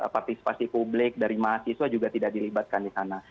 partisipasi publik dari mahasiswa juga tidak dilibatkan di sana